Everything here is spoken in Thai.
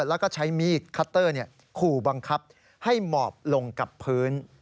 แล้วก็ใช้มีดคัตเตอร์ขู่บังคับให้หมอบลงกับพื้น